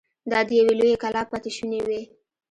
دا د يوې لويې کلا پاتې شونې وې.